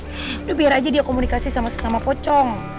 aduh biar aja dia komunikasi sama sesama pocong